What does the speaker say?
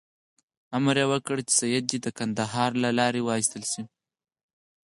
امر یې وکړ چې سید دې د کندهار له لارې وایستل شي.